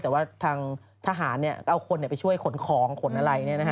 แต่ว่าทางทหารเนี่ยก็เอาคนไปช่วยขนของขนอะไรเนี่ยนะฮะ